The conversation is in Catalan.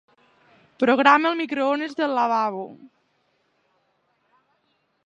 Programa el microones del lavabo.